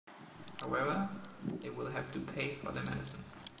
However, they will have to pay for their medicines.